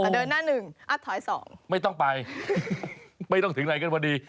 แต่เดินหน้าหนึ่งถอยสองไม่ต้องไปไม่ต้องถึงไหนกันพอดี